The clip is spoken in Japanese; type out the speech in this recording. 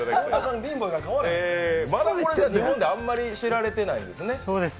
日本であんまり知られてないんですね。